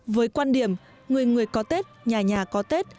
với quan điểm người người có tết nhà nhà có tết